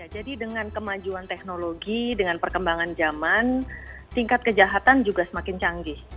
jadi dengan kemajuan teknologi dengan perkembangan zaman tingkat kejahatan juga semakin canggih